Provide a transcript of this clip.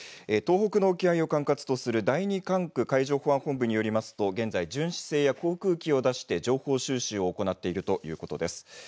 東北の沖合を管轄とする第２管区海上保安本部によりますと現在、巡視船や航空機を出して情報収集を行っているということです。